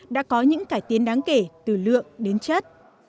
đã có những cải tiến đáng kể từ lượng đến chất